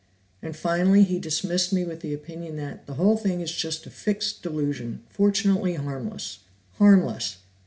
And finally he dismissed me with the opinion that 'the whole thing is just a fixed delusion, fortunately harmless!' Harmless!